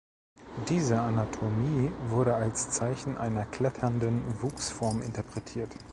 Diese Anatomie wurde als Zeichen einer kletternden Wuchsform interpretiert.